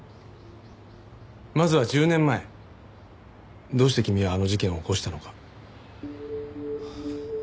まずは１０年前どうして君はあの事件を起こしたのか？